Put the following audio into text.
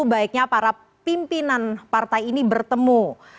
baiknya para pimpinan partai ini bertemu